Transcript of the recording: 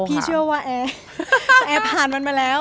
พี่เชื่อว่าแอร์แอร์ผ่านมันมาแล้ว